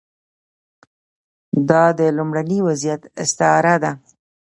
دا د لومړني وضعیت استعاره ده.